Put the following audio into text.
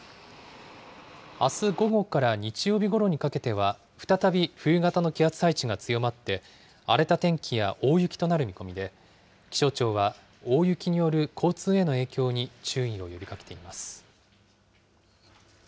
あす午後から日曜日ごろにかけては、再び冬型の気圧配置が強まって、荒れた天気や大雪となる見込みで、気象庁は大雪による交通への影響に注意を呼びかけています。